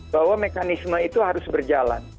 bahwa mekanisme itu harus berjalan